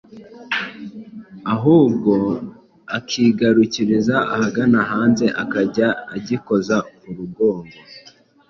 ahubwo akigarukiriza ahagana hanze akajya agikoza kuri rugongo